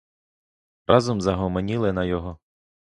Разом загомоніли на його.